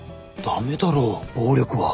ダメだろ暴力は。